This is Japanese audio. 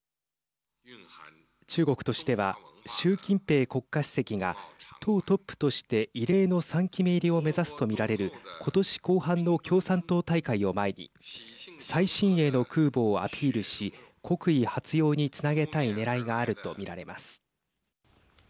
中国としては習近平国家主席が党トップとして異例の３期目入りを目指すとみられることし後半の共産党大会を前に最新鋭の空母をアピールし国威発揚につなげたいねらいがあるとみられます。